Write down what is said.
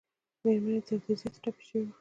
مېرمن یې تر ده زیاته ټپي شوې وه.